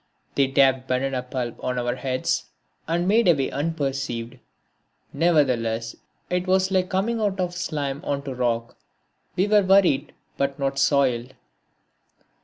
They dabbed banana pulp on our heads and made away unperceived. Nevertheless it was like coming out of slime on to rock we were worried but not soiled.